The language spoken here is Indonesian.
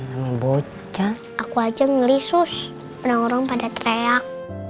nama bocet aku aja ngelisus orang orang pada teriak